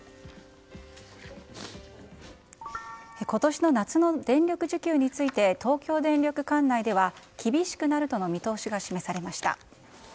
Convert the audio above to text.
今年の夏の電力需給について東京電力管内では厳しくなるとの見通しが示されました。